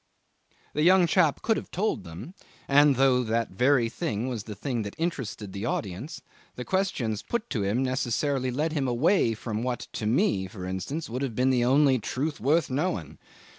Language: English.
'The young chap could have told them, and, though that very thing was the thing that interested the audience, the questions put to him necessarily led him away from what to me, for instance, would have been the only truth worth knowing.